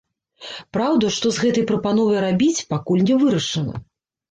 Праўда, што з гэтай прапановай рабіць, пакуль не вырашана.